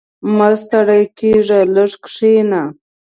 • مه ستړی کېږه، لږ کښېنه.